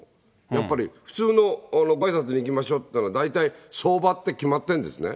やっぱり普通のごあいさつに行きましょうっていったら、大体相場って決まってるんですね。